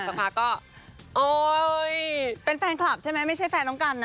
สาผัก็โอ๊ยยยยยเป็นแฟนคลับใช่ไหมไม่ใช่แฟนต้องใกล้